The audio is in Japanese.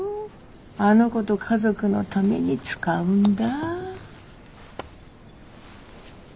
あの子と家族のために使うんだ。